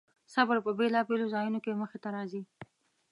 صبر په بېلابېلو ځایونو کې مخې ته راځي.